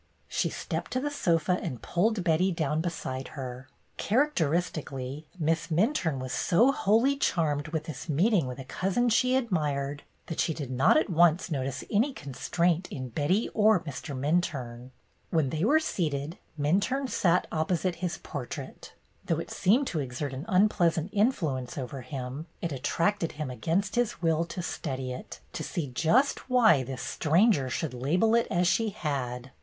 She stepped to the sofa and pulled Betty down beside her. Characteristically, Miss Minturne was so wholly charmed with this meeting with a cousin she admired, that she did not at once notice any constraint in Betty or Mr. Minturne. When they were seated, Minturne sat op posite his portrait; though it seemed to exert an unpleasant influence over him, it attracted him against his will, to study it, to see just 124 BETTY BAIRD'S GOLDEN YEAR why this stranger should label it as she had.